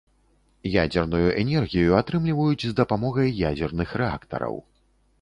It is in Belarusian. Ядзерную энергію атрымліваюць з дапамогай ядзерных рэактараў.